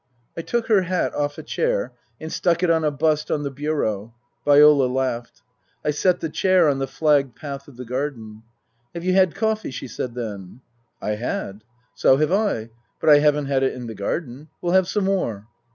I took her hat off a chair and stuck it on a bust on the bureau (Viola laughed). I set the chair on the flagged path of the garden. " Have you had coffee ?" she said then. I had. " So have I. But I haven't had it in the garden. We'll have some more."